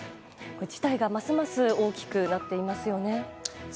事態がますます大きくなっていますよね。